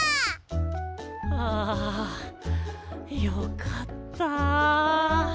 はあよかった。